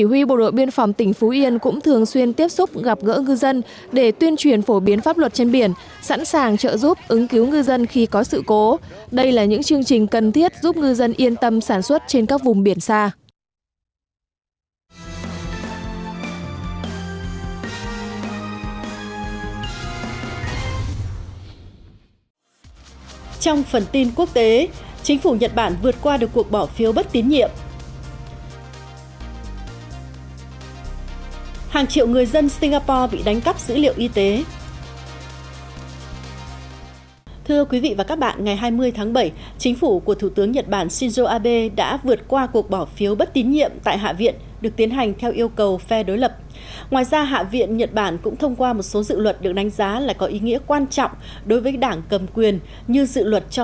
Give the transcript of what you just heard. hạ viện nhật bản cũng thông qua một số dự luật được đánh giá là có ý nghĩa quan trọng đối với đảng cầm quyền như dự luật cho phép mở casino nhiều tranh cãi